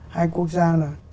hai quốc gia là